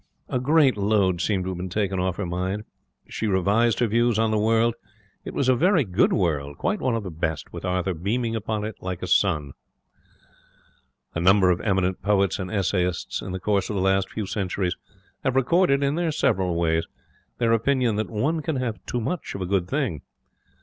A great load seemed to have been taken off her mind. She revised her views on the world. It was a very good world, quite one of the best, with Arthur beaming upon it like a sun. A number of eminent poets and essayists, in the course of the last few centuries, have recorded, in their several ways, their opinion that one can have too much of a good thing.